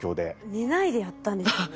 寝ないでやったんでしょうね。